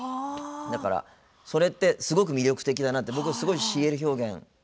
だから、それってすごく魅力的だなって、僕はＣＬ表現